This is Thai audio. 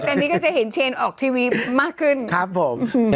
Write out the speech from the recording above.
แต่นี่ก็จะเห็นเชนออกทีวีมากขึ้นครับผม